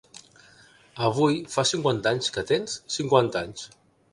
Avui fa cinquanta anys que tens cinquanta anys.